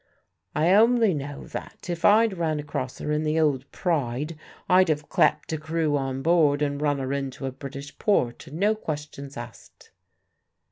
"I only know that, if I'd ran across her in the old Pride, I'd have clapped a crew on board and run her into a British port and no questions asked."